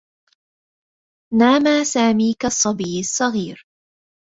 نام سامي كالصّبيّ الصّغير.